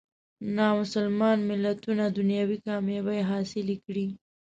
نامسلمان ملتونه دنیوي کامیابۍ حاصلې کړي.